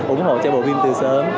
ủng hộ cho bộ phim từ sớm